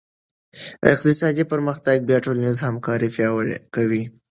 اقتصادي پرمختګ بیا ټولنیزې همکارۍ پیاوړې کوي.